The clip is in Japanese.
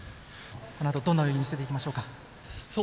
このあとどんなふうに見せていきましょうか？